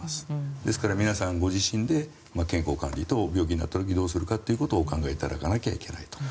ですから皆さん、ご自身で健康管理と病気になった時どうするかということをお考えいただかなければいけないと。